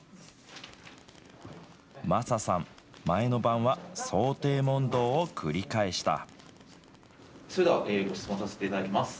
まささん、前の晩は想定問答を繰り返した。